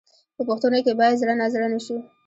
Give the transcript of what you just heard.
په پوښتنو کې باید زړه نازړه نه شو.